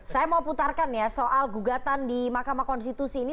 saya mau putarkan ya soal gugatan di mahkamah konstitusi ini